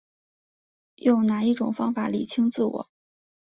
用哪一种方法厘清自我